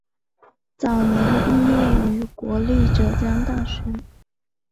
早年毕业于国立浙江大学。